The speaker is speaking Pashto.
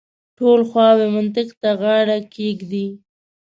ټولې خواوې منطق ته غاړه کېږدي.